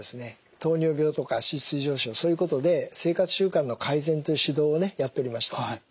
糖尿病とか脂質異常症そういうことで生活習慣の改善という指導をねやっておりました。